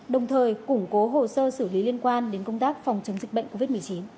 đồng thời củng cố hồ sơ xử lý liên quan đến công tác phòng chống dịch bệnh covid một mươi chín